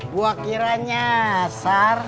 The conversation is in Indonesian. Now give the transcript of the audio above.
buat kiranya sar